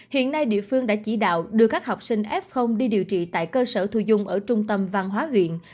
hiện nay địa phương đã chỉ đạo đưa các học sinh f đi điều trị tại cơ sở thu dung ở trung tâm văn hóa huyện